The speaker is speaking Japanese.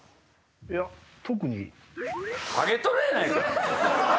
いや特に。